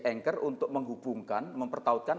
anchor untuk menghubungkan mempertahankan